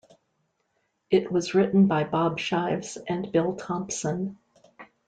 It was written by Bob Shives and Bill Thompson.